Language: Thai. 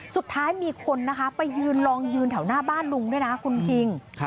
สุดท้ายมีคนนะคะไปยืนลองยืนแถวหน้าบ้านลุงด้วยนะคุณคิง